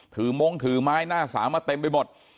ถือมงค์ถือไม้หน้าสามารถเต็มไปหมด